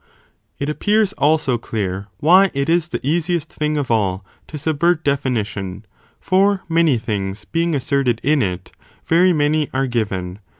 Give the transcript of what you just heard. It appears also clear why it is the easiest thing , 1.4 ion of all, to subvert definition, for many things being of all things asserted in it, very many are given